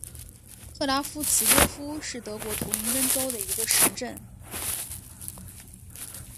克拉夫茨多夫是德国图林根州的一个市镇。